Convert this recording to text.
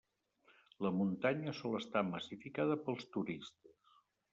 La muntanya sol estar massificada pels turistes.